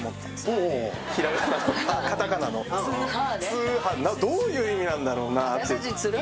「ツーハー」どういう意味なんだろうなって。